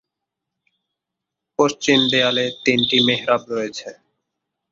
পশ্চিম দেয়ালে তিনটি মেহরাব রয়েছে।